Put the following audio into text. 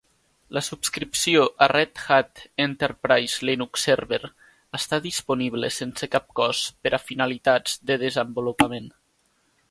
La subscripció a Red Hat Enterprise Linux Server està disponible sense cap cost per a finalitats de desenvolupament.